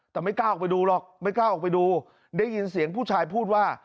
แต่ไม่กล้าออกไปดูหรอกไม่กล้าออกไปดูได้ยินเสียงผู้ชายพูดว่า